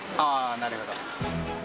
なるほど。